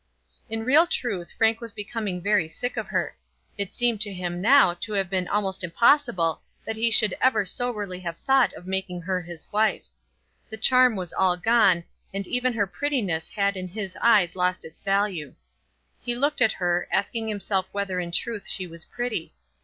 In real truth Frank was becoming very sick of her. It seemed to him now to have been almost impossible that he should ever soberly have thought of making her his wife. The charm was all gone, and even her prettiness had in his eyes lost its value. He looked at her, asking himself whether in truth she was pretty.